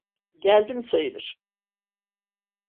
Geldim sayılır.